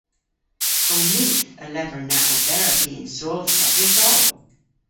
Ow nith a lever na oberav vy yn sodhva vytholl.